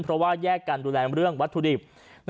เพราะว่าแยกกันดูแลเรื่องวัตถุดิบ